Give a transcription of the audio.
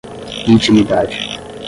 intimidade